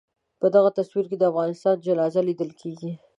په دغه تصویر کې د افغانستان جنازه لیدل کېږي.